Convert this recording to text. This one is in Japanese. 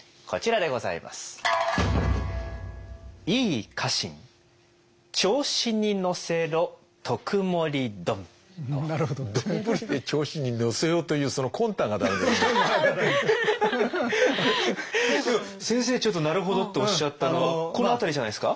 でも先生ちょっと「なるほど」っておっしゃったのはこの辺りじゃないですか。